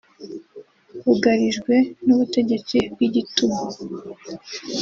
Bugarijwe n’ubutegetsi bw’igitugu